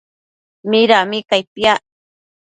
Midami cai piac?